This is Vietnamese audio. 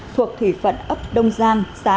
thuộc thủy phận ấp đông giang xã